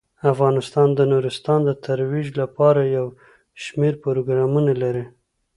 افغانستان د نورستان د ترویج لپاره یو شمیر پروګرامونه لري.